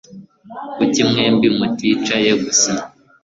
Kuki mwembi muticaye gusa?